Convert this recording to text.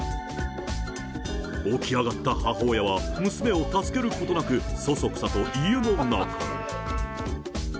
起き上がった母親は娘を助けることなく、そそくさと家の中へ。